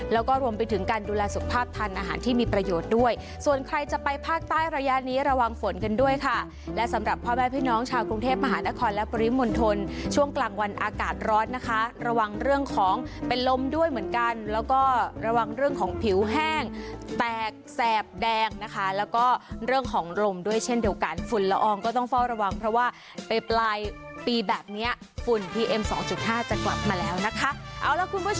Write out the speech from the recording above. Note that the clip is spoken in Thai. แล้วก็รวมไปถึงการดูแลสุขภาพทานอาหารที่มีประโยชน์ด้วยส่วนใครจะไปภาคใต้ระยะนี้ระวังฝนกันด้วยค่ะและสำหรับพ่อแม่พี่น้องชาวกรุงเทพมหานครและปริมวลธนช่วงกลางวันอากาศร้อนนะคะระวังเรื่องของเป็นลมด้วยเหมือนกันแล้วก็ระวังเรื่องของผิวแห้งแตกแสบแดงนะคะแล้วก็เรื่องของลมด้วยเช่นเดียวกันฝ